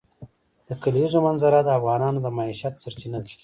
د کلیزو منظره د افغانانو د معیشت سرچینه ده.